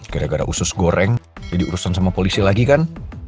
gara gara usus goreng jadi urusan sama polisi lagi kan